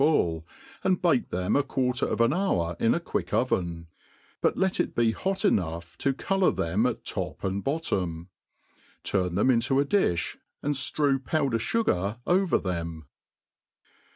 fuTi, and bake them a quarter of an hour in a quick oven ; but let it b^ hoc enough to colour them at top and bottom : turn them into a di(h, and ftfew powdcr fugar over them.